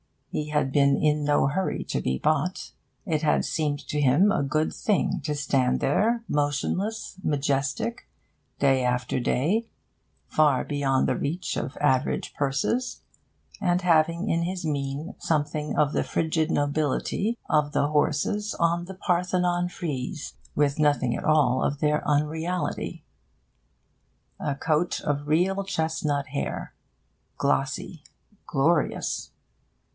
He had been in no hurry to be bought. It had seemed to him a good thing to stand there motionless, majestic, day after day, far beyond the reach of average purses, and having in his mien something of the frigid nobility of the horses on the Parthenon frieze, with nothing at all of their unreality. A coat of real chestnut hair, glossy, glorious!